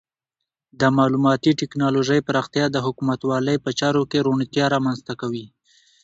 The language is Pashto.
د معلوماتي ټکنالوژۍ پراختیا د حکومتولۍ په چارو کې روڼتیا رامنځته کوي.